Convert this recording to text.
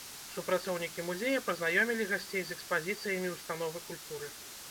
Супрацоўнікі музея пазнаёмілі гасцей з экспазіцыямі ўстановы культуры.